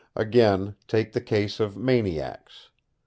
Again, take the case of maniacs.